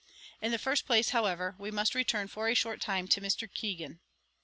In the first place, however, we must return for a short time to Mr. Keegan.